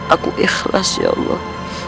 aku ikhlas ya allah